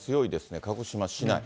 鹿児島市内。